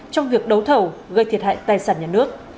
trong việc đấu thầu gây thiệt hại tài sản nhà nước